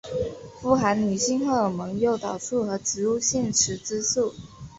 富含女性荷尔蒙诱导素和植物性雌激素。